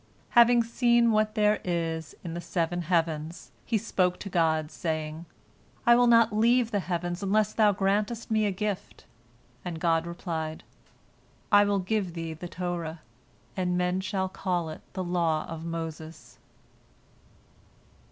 Having seen what there is in the seven heavens, he spoke to God, saying, "I will not leave the heavens unless Thou grantest me a gift," and God replied, "I will give thee the Torah, and men shall call it the Law of Moses."